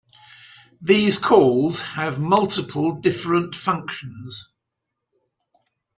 These calls have multiple different functions.